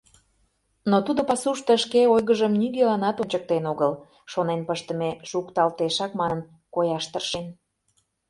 Но тудо пасушто шке ойгыжым нигӧланат ончыктен огыл, шонен пыштыме шукталтешак манын, кояш тыршен.